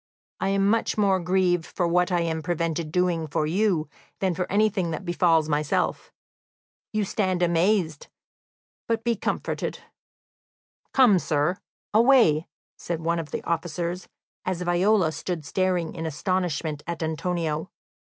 I am much more grieved for what I am prevented doing for you than for anything that befalls myself. You stand amazed, but be comforted." "Come, sir, away," said one of the officers, as Viola stood staring in astonishment at Antonio.